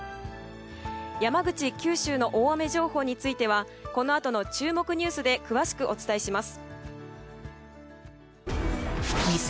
山口、九州の大雨情報についてはこのあとの注目ニュースで詳しくお伝えします。